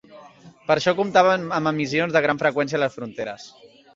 Per a això comptaven amb emissors de gran freqüència a les fronteres.